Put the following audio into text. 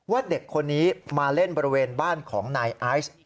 เด็กคนนี้มาเล่นบริเวณบ้านของนายไอซ์